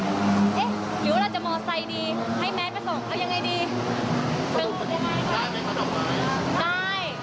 เอ๊ะหรือว่าเราจะมอไซดีให้แมทไปส่งเอายังไงดีได้ไหมก็ดอกไม้